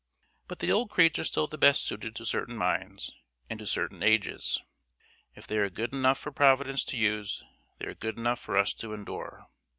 But the old creeds are still the best suited to certain minds, and to certain ages. If they are good enough for Providence to use, they are good enough for us to endure.